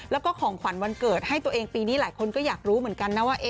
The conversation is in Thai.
แล้วก็ของขวัญวันเกิดให้ตัวเองปีนี้หลายคนก็อยากรู้เหมือนกันนะว่า